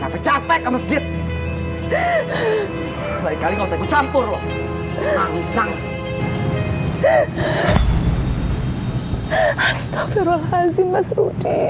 biar gue yang samperin ke masjid